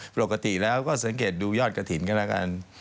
ปกติแล้วก็สังเกตดูยอดกระถิ่นกันแล้วกัน